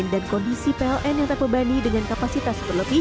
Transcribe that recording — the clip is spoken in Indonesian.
dan kondisi pln yang terbebani dengan kapasitas berlebih